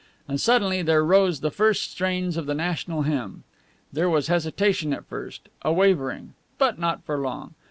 And suddenly there rose the first strains of the national hymn. There was hesitation at first, a wavering. But not for long.